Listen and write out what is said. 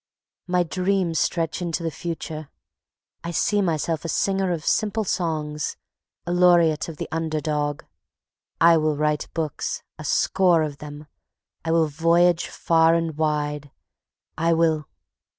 My dreams stretch into the future. I see myself a singer of simple songs, a laureate of the under dog. I will write books, a score of them. I will voyage far and wide. I will